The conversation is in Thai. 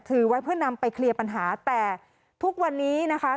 ถือไว้เพื่อนำไปเคลียร์ปัญหาแต่ทุกวันนี้นะคะ